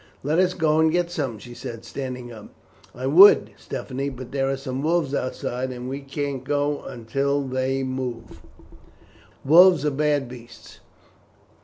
"Let us go and get some," she said, standing up. "I would, Stephanie; but there are some wolves outside, and we can't go until they move." "Wolves are bad beasts.